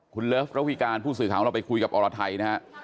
คุณเลิฟระวิการผู้สื่อข่าวของเราไปคุยกับอรไทยนะฮะ